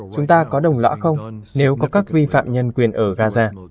chúng ta có đồng lõa không nếu có các vi phạm nhân quyền ở gaza